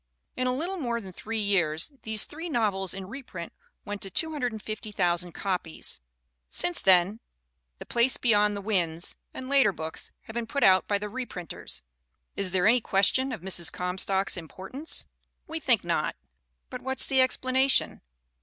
In a little more than three years these three novels in reprint went to 250, ooo copies. Since then The Place Beyond the Winds and later books have been put out by the reprinters. Is 334 HARRIET T. COMSTOCK 335 there any question of Mrs. Comstock's importance? We think not. But what's the explanation